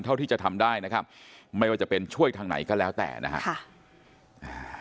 เท่าที่จะทำได้นะครับไม่ว่าจะเป็นช่วยทางไหนก็แล้วแต่นะฮะค่ะอ่า